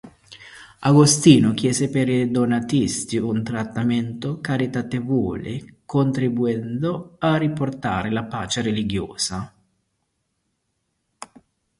Agostino chiese per i donatisti un trattamento caritatevole, contribuendo a riportare la pace religiosa.